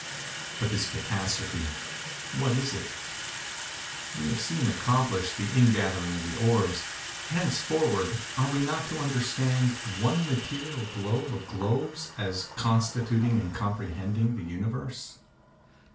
But this catastrophe—what is it? We have seen accomplished the ingathering of the orbs. Henceforward, are we not to understand one material globe of globes as constituting and comprehending the Universe?